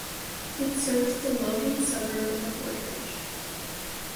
It serves the Logan suburb of Woodridge.